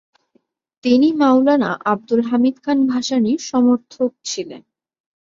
তিনি মওলানা আবদুল হামিদ খান ভাসানীর সমর্থক ছিলেন।